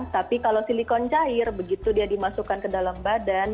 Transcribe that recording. tapi kalau silikon cair begitu dia dimasukkan ke dalam badan